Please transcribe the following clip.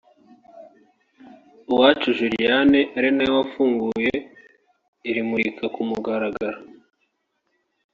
Uwacu Julienne ari na we wafunguye iri murika ku mugaragaro